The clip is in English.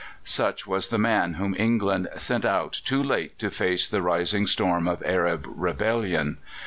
Such was the man whom England sent out too late to face the rising storm of Arab rebellion.